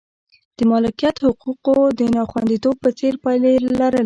د مالکیت حقوقو د ناخوندیتوب په څېر پایلې یې لرلې.